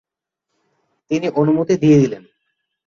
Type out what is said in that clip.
তিনি অনুমতি দিয়ে দিলেন।